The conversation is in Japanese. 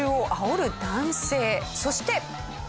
そして。